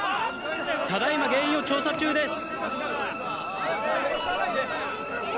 ただいま原因を調査中です。